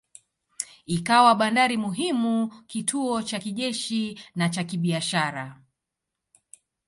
Ikawa bandari muhimu, kituo cha kijeshi na cha kibiashara.